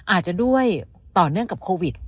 อาจจะด้วยต่อเนื่องกับโควิด